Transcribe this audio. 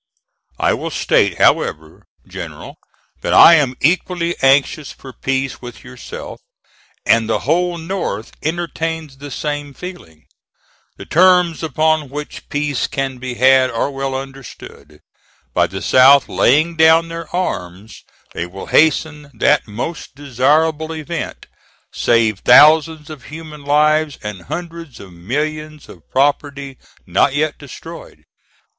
I will state, however, General, that I am equally anxious for peace with yourself, and the whole North entertains the same feeling. The terms upon which peace can be had are well understood. By the South laying down their arms they will hasten that most desirable event, save thousands of human lives and hundreds of millions of property not yet destroyed.